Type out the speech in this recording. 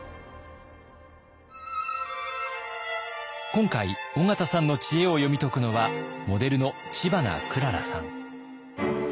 今回緒方さんの知恵を読み解くのはモデルの知花くららさん。